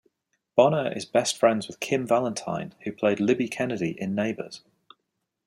Bonner is best friends with Kym Valentine, who played Libby Kennedy in "Neighbours".